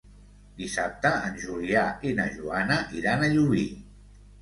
Dissabte en Julià i na Joana iran a Llubí.